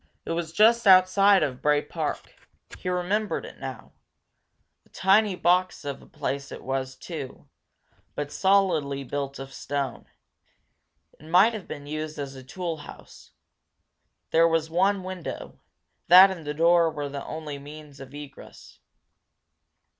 It was just outside of Bray Park he remembered it now. A tiny box of a place it was, too, but solidly built of stone. It might have been used as a tool house. There was one window; that and the door were the only means of egress.